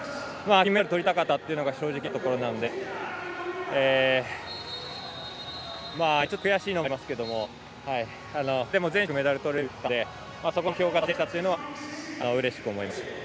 金メダルをとりたかったというのが正直なところなので今、ちょっと悔しいのもありますけどでも全種目でメダルをとれたのでそこの目標が達成できたというのはうれしく思います。